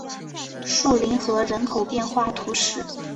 树林河人口变化图示